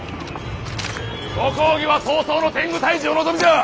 ご公儀は早々の天狗退治をお望みじゃ！